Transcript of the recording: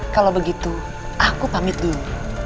kalau begitu aku pamit dulu